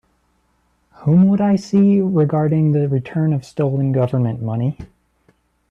Whom would I see regarding the return of stolen Government money?